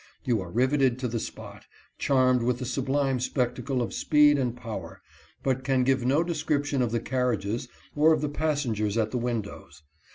You are riveted to the spot, charmed with the sublime spectacle of speed and power, but can give no description of the carriages, or of the passengers at the windows.